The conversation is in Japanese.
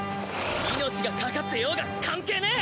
命がかかってようが関係ねえ！